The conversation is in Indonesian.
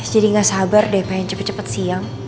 jadi nggak sabar deh pengen cepet cepet siang